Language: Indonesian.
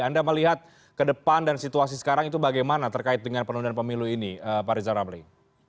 anda melihat ke depan dan situasi sekarang itu bagaimana terkait dengan penundaan pemilu ini pak rizal ramli